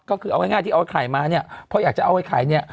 ก็คือเอาง่ายที่เอาไข่มาเนี่ยเพราะอยากจะเอาไอ้ไข่เนี่ย